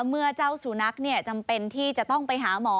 เมื่อเจ้าสุนัขจำเป็นที่จะต้องไปหาหมอ